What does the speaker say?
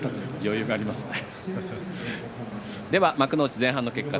余裕がありますね。